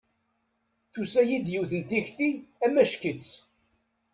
Tusa-iyi-d yiwet n tikti amacki-tt.